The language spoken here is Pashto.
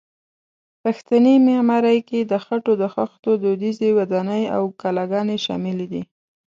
پښتني معمارۍ کې د خټو د خښتو دودیزې ودانۍ او کلاګانې شاملې دي.